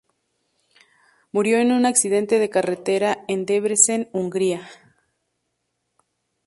Murió en un accidente de carretera en Debrecen, Hungría.